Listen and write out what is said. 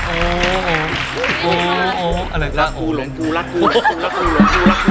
รักกูรักกูรักกูรักกูรักกู